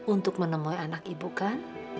untuk menemui anak ibu kan